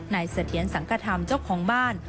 เสถียรสังกธรรมเจ้าของบ้าน